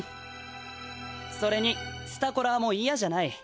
それにスタコラーもいやじゃない。